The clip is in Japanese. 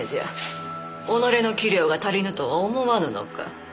己の器量が足りぬとは思わぬのか？